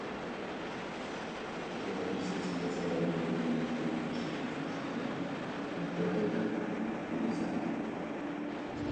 Жывапісец, працаваў у галіне тэматычнай карціны, партрэта, пейзажу.